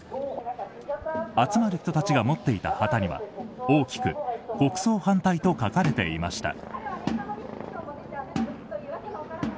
集まる人たちが持っていた旗には大きく「国葬反対」と書かれていました。